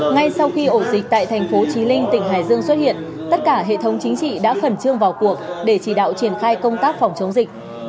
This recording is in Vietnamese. ngay sau khi ổ dịch tại thành phố trí linh tỉnh hải dương xuất hiện tất cả hệ thống chính trị đã khẩn trương vào cuộc để chỉ đạo triển khai công tác phòng chống dịch